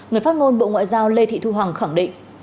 người phát ngôn bộ ngoại giao lê thị thu hằng